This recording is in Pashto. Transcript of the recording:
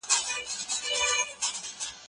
حق بايد هيڅکله تر پښو لاندي نه سي.